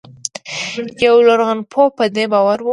یو لرغونپوه په دې باور و.